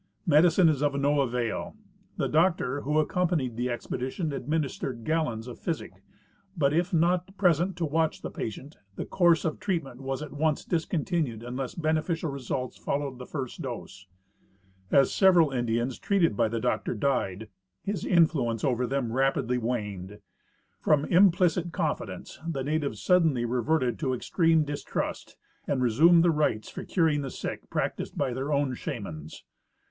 Medicine is of no avail. . The doctor Avho accompa nied the expedition administered gallons of physic, but if not present to watch the patient the course of treatment was at once discontinued unless beneficial results followed the first dose. As several Indians treated by the doctor died, his influence over them rapidly waned. From implicit confidence, the natives sud denly reverted to extreme distrust and resumed the rites for cur ing the sick practiced by their own " shamans."